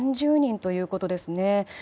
３０人ということですね。